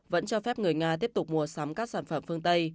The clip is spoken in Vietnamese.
vẫn cho phép người nga tiếp tục mua sắm các sản phẩm phương tây